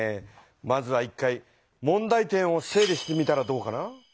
まずは１回問題点を整理してみたらどうかな？